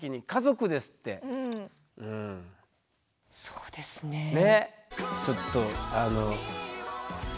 そうですね。